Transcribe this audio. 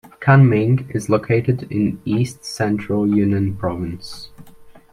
Kunming is located in east-central Yunnan province.